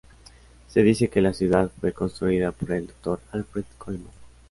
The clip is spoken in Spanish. Se dice que la ciudad fue construida por el Dr. Alfred Coleman.